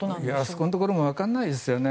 そこのところもわからないんですよね。